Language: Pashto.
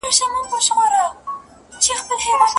کله کله ځیني استادان د ځان ښودني لپاره لارښوونه کوي.